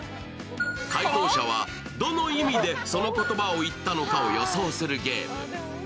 回答者はどの意味でその言葉を言ったのかを予想するゲーム。